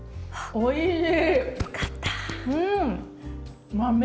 おいしい。